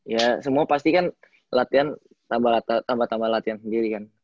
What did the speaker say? ya semua pasti kan latihan tambah tambah latihan sendiri kan